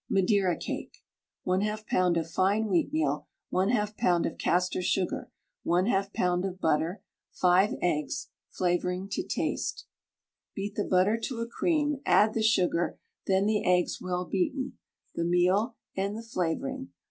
MADEIRA CAKE. 1/2 lb. of fine wheatmeal, 1/2 lb. of castor sugar, 1/2 lb. of butter, 5 eggs, flavouring to taste. Beat the butter to a cream, add the sugar, then the eggs well beaten, the meal and the flavouring.